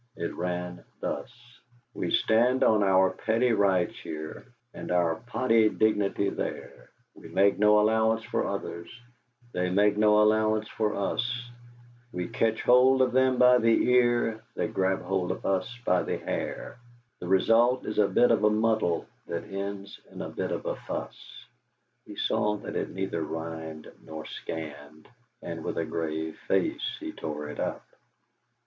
It ran thus: "We stand on our petty rights here, And our potty dignity there; We make no allowance for others, They make no allowance for us; We catch hold of them by the ear, They grab hold of us by the hair The result is a bit of a muddle That ends in a bit of a fuss." He saw that it neither rhymed nor scanned, and with a grave face he tore it up.